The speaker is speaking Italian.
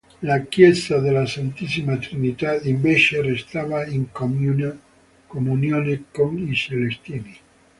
La chiesa della Santissima Trinità invece restava in comunione con i Celestini.